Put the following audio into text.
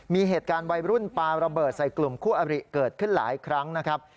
มีเหตุการณ์วัยรุ่นปลาระเบิดใส่กลุ่มคู่อริเกิดขึ้นหลายครั้งนะครับ